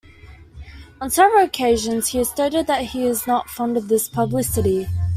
On several occasions he has stated that he is not fond of this publicity.